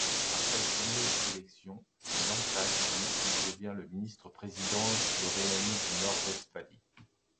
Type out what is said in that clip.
Après les premiers élections du Landtag du il devient le ministre-président de Rhénanie-du-Nord-Westphalie.